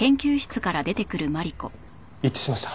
一致しました？